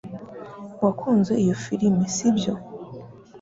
Wakunze iyo firime sibyo